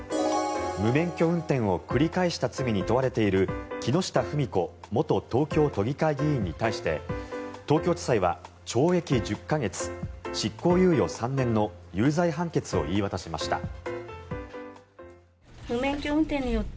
無免許運転を繰り返した罪に問われている木下富美子元東京都議会議員に対して東京地裁は懲役１０か月執行猶予３年の有罪判決を言い渡しました。